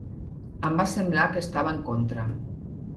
Em va semblar que estava en contra.